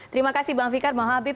terima kasih bang fikar mau habib